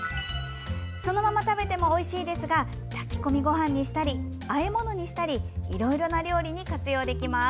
そのまま食べてもおいしいですが炊き込みごはんにしたりあえ物にしたりいろいろな料理に活用できます。